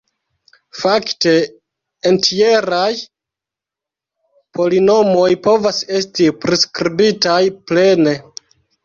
Fakte entjeraj polinomoj povas esti priskribitaj plene.